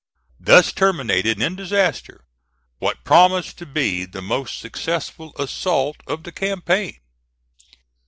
Thus terminated in disaster what promised to be the most successful assault of the campaign.